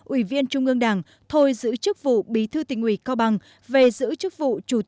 ủy viên trung ương đảng thôi giữ chức vụ bí thư tỉnh ủy cao bằng về giữ chức vụ bí thư tỉnh ủy cao bằng